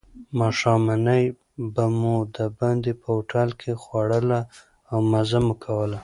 ماښامنۍ به مو دباندې په هوټل کې خوړله او مزه مو کوله.